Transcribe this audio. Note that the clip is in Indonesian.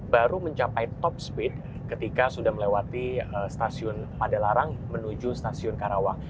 baru mencapai top speed ketika sudah melewati stasiun padalarang menuju stasiun karawang